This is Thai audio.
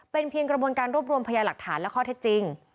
เป็นเพียงกระบวนการรวบรวมพยาหลักฐานและข้อเท็จจริง